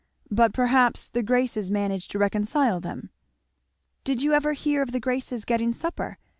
"But perhays the Graces manage to reconcile them!" "Did you ever hear of the Graces getting supper?"